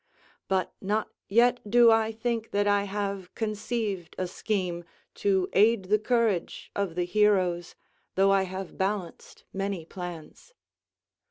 But not yet do I think that I have conceived a scheme to aid the courage of the heroes, though I have balanced many plans."